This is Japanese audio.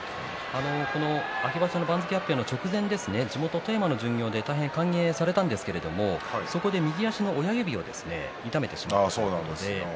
この秋場所の番付発表の直前に富山の巡業で歓迎されたんですがそこで右足の親指を痛めてしまったんです。